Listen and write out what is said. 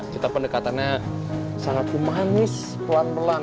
kita pendekatannya sangat humanis pelan pelan